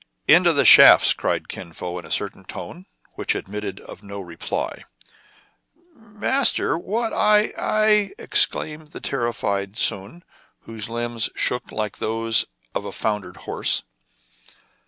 " Into the shafts !" cried Kin Fo in a certain tone, which admitted of no reply. '* Master — what — I — I "— exclaimed the terrified Soun, whose limbs shook like those of a foundered horse.